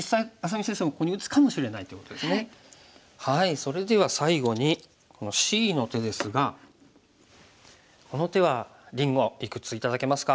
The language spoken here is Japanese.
それでは最後にこのＣの手ですがこの手はりんごいくつ頂けますか？